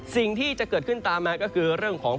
สิ่งที่จะเกิดขึ้นตามมาก็คือเรื่องของ